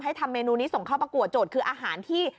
ทำเมนูนี้ส่งเข้าประกวดโจทย์คืออาหารที่